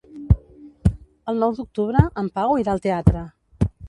El nou d'octubre en Pau irà al teatre.